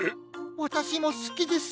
わたしもすきです。